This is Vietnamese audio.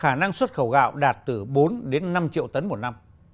khả năng xuất khẩu gạo đạt từ bốn đến năm triệu tấn một năm